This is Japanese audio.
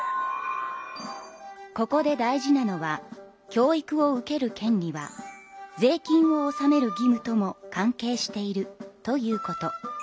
ここで大事なのは教育を受ける権利は税金を納める義務とも関係しているということ。